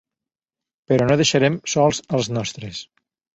Però no deixarem sols als nostres.